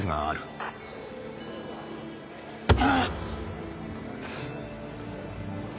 ああ。